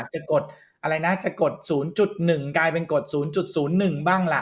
จะกด๐๑เป็นกด๐๐๑บ้างล่ะ